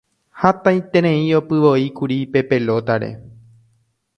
Hatãiterei opyvoíkuri pe pelota-re.